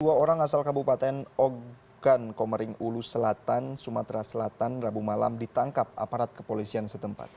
dua orang asal kabupaten ogan komering ulus selatan sumatera selatan rabu malam ditangkap aparat kepolisian setempat